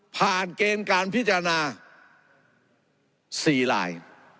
ผ่านเกณฑ์การพิจารณา๔ลาย